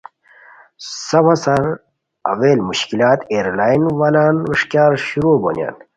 سفو سار اول مشکلات ائیرلائین والان ویݰکیار شروع بونیان